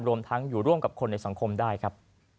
รวมทั้งอยู่ร่วมกับคนในสังคมได้ครับ